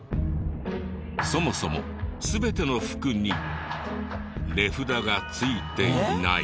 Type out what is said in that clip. そもそも全ての服に値札が付いていない。